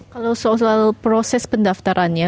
kalau soal proses pendaftarannya